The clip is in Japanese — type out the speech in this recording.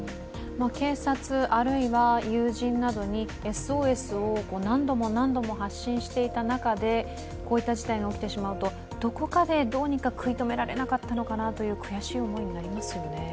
警察、あるいは友人などにＳＯＳを何度も何度も発信していた中でこういった事態が起きてしまうと、どこかでどうにか食い止められなかったのかなという悔しい思いになりますよね。